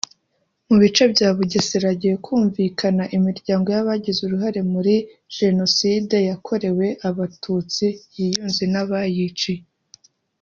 Mu bice bya Bugesera hagiye kumvikana imiryango y’abagize uruhare muri Jenoside yakorewe Abatutsi yiyunze n’abayiciye